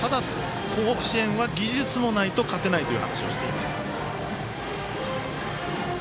甲子園は技術もないと勝てないという話をしていました。